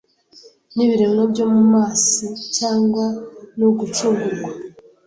n’ibiremwa byo mu masi cyangwa nugucungurwa